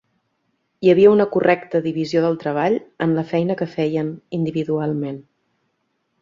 Hi havia una correcta divisió del treball en la feina que feien individualment.